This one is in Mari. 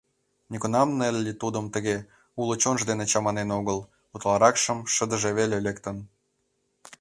Нигунамат Нелли тудым тыге, уло чонжо дене чаманен огыл, утларакшым шыдыже веле лектын.